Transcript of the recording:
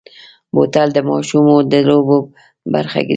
بوتل د ماشومو د لوبو برخه ګرځي.